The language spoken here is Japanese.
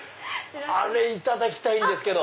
あれいただきたいんですけど。